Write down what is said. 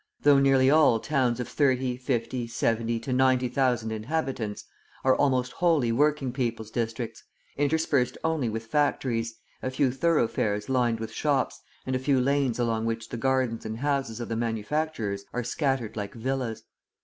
though nearly all towns of thirty, fifty, seventy to ninety thousand inhabitants, are almost wholly working people's districts, interspersed only with factories, a few thoroughfares lined with shops, and a few lanes along which the gardens and houses of the manufacturers are scattered like villas.